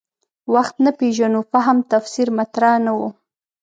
وخت نه پېژنو فهم تفسیر مطرح نه و.